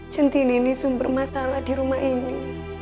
centini ini sumber masalah di rumah ini